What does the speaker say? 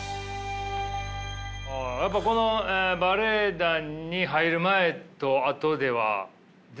やっぱりこのバレエ団に入る前と後では全然違います？